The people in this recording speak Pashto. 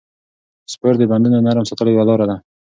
سپورت د بندونو نرم ساتلو یوه لاره ده.